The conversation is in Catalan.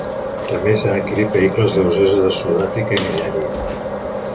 També s'han adquirit vehicles lleugers de Sud-àfrica i Nigèria.